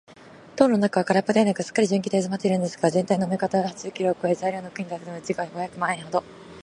塔の中はからっぽではなく、すっかり純金でうずまっているのですから、ぜんたいの目方は八十キロをこえ、材料の金だけでも時価五百万円ほど